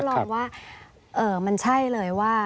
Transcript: เสริมทั้งลองว่ามันใช่เลยว่า